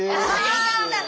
よかった。